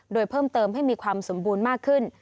โดยเพิ่มเติมให้มีความสมบูรณ์มากขึ้น